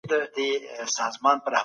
دین او ګډ چاپیریال د یووالي لامل ګرځي.